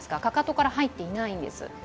かかとから入っていないんです。